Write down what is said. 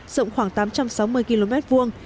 rộng khoảng tám trăm sáu mươi km vuông